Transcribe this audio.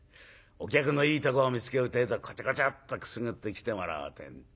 お客のいいところを見つけるてえとコチョコチョッとくすぐって来てもらおうてんで。